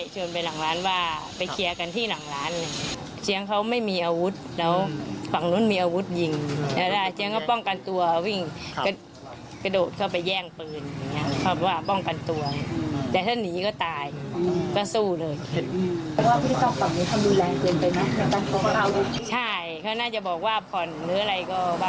แต่ถ้านีก็ตายก็สู้เลย